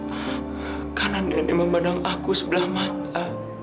aku menderita karena nenek memandang aku sebelah mata